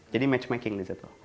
jadi matchmaking disitu